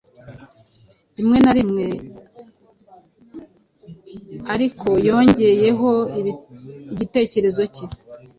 Rimwe na rimwe arikoyongeyeho igitekerezo cye